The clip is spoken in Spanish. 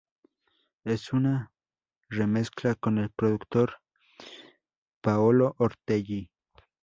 Es una remezcla con el productor Paolo Ortelli.